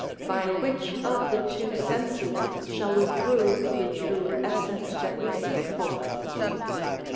By which of the two senses shall we prove the true essence that we seek for?